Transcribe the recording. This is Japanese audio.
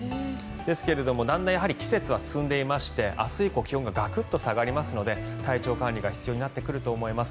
ですけどもだんだん季節は進んでおりまして明日以降、気温がガクッと下がりますので体調管理が必要になってくると思います。